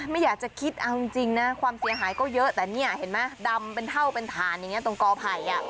ไม่อยากจะคิดเอาจริงนะความเสียหายก็เยอะแต่เนี่ยเห็นไหมดำเป็นเท่าเป็นฐานอย่างนี้ตรงกอไผ่